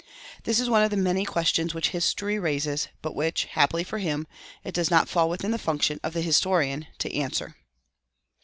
This is one of the many questions which history raises, but which (happily for him) it does not fall within the function of the historian to answer.